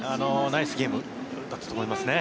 ナイスゲームだったと思いますね。